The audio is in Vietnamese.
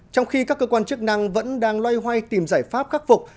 trong khi các cơ quan chức năng vẫn đang loay hoay tìm giải pháp khắc phục